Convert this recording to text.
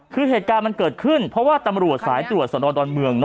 คือเหตุการณ์มันเกิดขึ้นเพราะว่าตำรวจสายตรวจสนดอนเมือง